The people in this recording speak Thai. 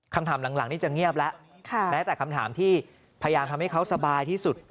คำถามหลังนี่จะเงียบแล้วแม้แต่คำถามที่พยายามทำให้เขาสบายที่สุด